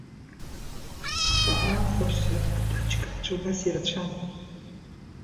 Аха аахәацәа-атачкакцәа убас ирацәан.